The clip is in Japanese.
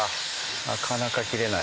なかなか切れない。